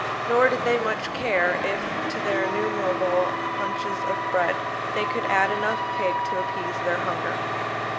Nor did they much care, if, to their innumerable hunches of bread, they could add enough pig to appease their hunger.